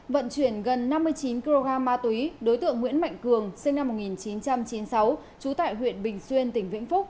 vận chuyển gần năm mươi chín kg ma túy đối tượng nguyễn mạnh cường sinh năm một nghìn chín trăm chín mươi sáu trú tại huyện bình xuyên tỉnh vĩnh phúc